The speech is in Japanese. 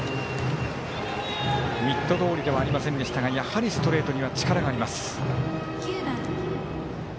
ミットどおりではありませんでしたがやはりストレートには力があります。